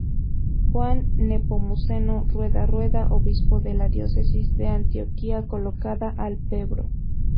Juan Nepomuceno Rueda Rueda, obispo de la Diócesis de Antioquia, colocando al Pbro.